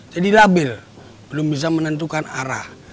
jadi labil belum bisa menentukan arah